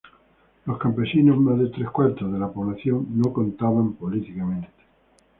Los campesinos, más de tres cuartos de la población, no contaban políticamente.